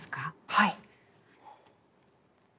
はい。